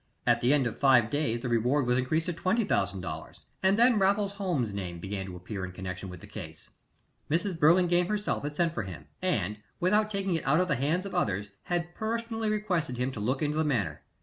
At the end of five days the reward was increased to $20,000, and then Raffles Holmes's name began to appear in connection with the case. Mrs. Burlingame herself had sent for him, and, without taking it out of the hands of others, had personally requested him to look into the matter.